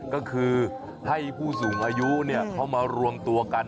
ก็คือให้ผู้สูงอายุเข้ามารวมตัวกัน